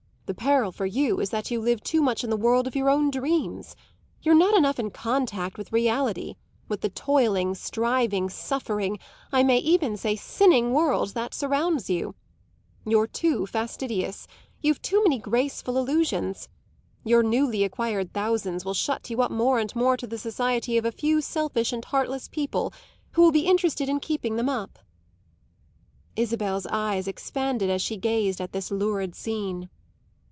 The peril for you is that you live too much in the world of your own dreams. You're not enough in contact with reality with the toiling, striving, suffering, I may even say sinning, world that surrounds you. You're too fastidious; you've too many graceful illusions. Your newly acquired thousands will shut you up more and more to the society of a few selfish and heartless people who will be interested in keeping them up." Isabel's eyes expanded as she gazed at this lurid scene.